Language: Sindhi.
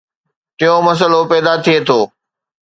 ٽيون مسئلو پيدا ٿئي ٿو